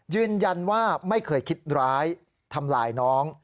ยืนยันว่าไม่เคยคิดร้ายทำร้ายน้อง